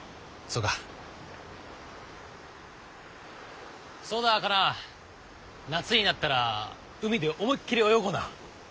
そうだカナ夏になったら海で思いっきり泳ごうな。